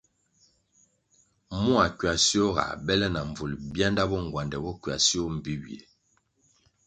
Mua ckywasio ga bèle na mbvul bianda bo ngwandè bo ckywasio mbpi ywie.